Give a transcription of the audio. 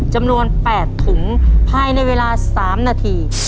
จำนวน๘ถุงภายในเวลา๓นาที